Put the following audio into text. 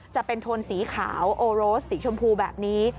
โทนสีขาวโอโรสสีชมพูแบบนี้